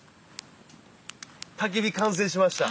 たき火完成しました。